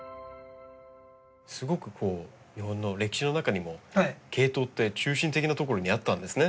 すごく日本の歴史の中にもケイトウって中心的なところにあったんですね。